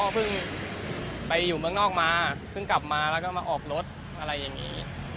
เพิ่งไปอยู่เมืองนอกมาเพิ่งกลับมาแล้วก็มาออกรถอะไรอย่างนี้